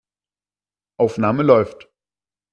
Aufnahme läuft.